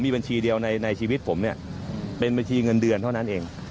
บัญชีเดียวในชีวิตผมเนี่ยเป็นบัญชีเงินเดือนเท่านั้นเอง